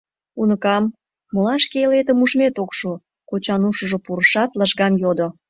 — Уныкам, молан шке элетым ужмет ок шу? — кочан ушыжо пурышат, лыжган йодо.